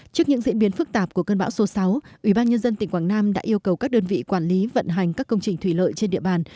trước những diễn biến phức tạp của cơn bão số sáu ubnd tỉnh quảng nam đã yêu cầu các đơn vị quản lý vận hành các công trình thủy lợi trên địa bàn